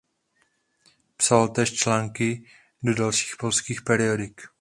Psal též články do dalších polských periodik.